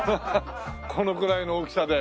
このくらいの大きさで。